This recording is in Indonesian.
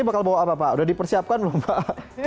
itu bakal bawa apa pak sudah dipersiapkan lho pak